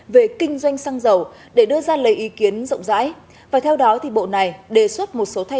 về kinh doanh xăng dầu để đưa ra lời ý kiến rộng rãi và theo đó bộ này đề xuất một số thay